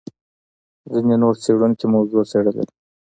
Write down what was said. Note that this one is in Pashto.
ځینې نور څېړونکي موضوع څېړلې ده.